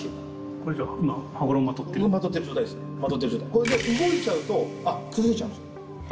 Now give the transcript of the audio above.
これで動いちゃうと崩れちゃうんですよ。